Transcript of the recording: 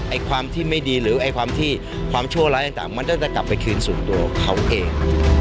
ความที่ไม่ดีหรือไอ้ความที่ความชั่วร้ายต่างมันก็จะกลับไปคืนสู่ตัวเขาเอง